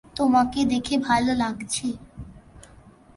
তোমাকে দেখে ভালো লাগছে!